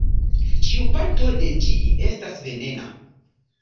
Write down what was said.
Ĉiu parto de ĝi estas venena.